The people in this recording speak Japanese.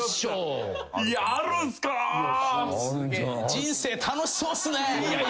人生楽しそうっすね。